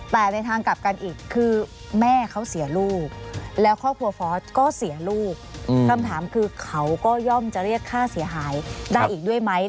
แต่ในทางกลับกันอีกคือแม่เขาเสียลูกแล้วครอบครัวฟอสก็เสียลูกคำถามคือเขาก็ย่อมจะเรียกค่าเสียหายได้อีกด้วยไหม